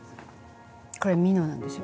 これ美濃なんですよ。